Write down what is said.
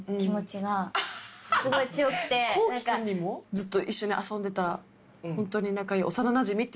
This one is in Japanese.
ずっと一緒に遊んでたホントに。